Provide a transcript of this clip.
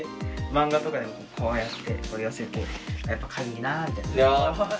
漫画とかでもこうやって寄せてやっぱかゆいなみたいな。